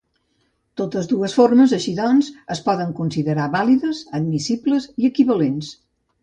Totes dues formes, així doncs, es poden considerar vàlides, admissibles i equivalents.